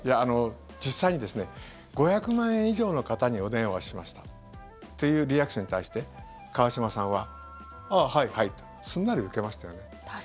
実際に５００万円以上の方にお電話しましたというリアクションに対して川島さんは、ああ、はいはいとすんなり受けましたよね。